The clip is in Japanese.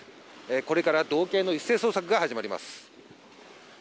これから道警の一斉捜索が始まります。